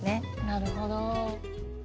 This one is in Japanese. なるほど。